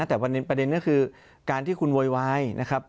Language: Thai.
แต่ประเด็นก็คือการที่คุณโวยวายนะครับ